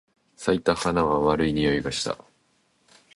咲いた花は悪い匂いがした。